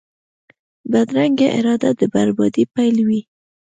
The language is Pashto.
بدرنګه اراده د بربادۍ پیل وي